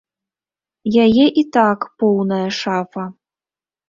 Яе і так поўная шафа.